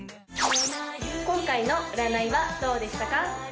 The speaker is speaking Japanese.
今回の占いはどうでしたか？